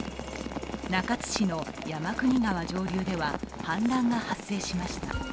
中津市の山国川上流では氾濫が発生しました。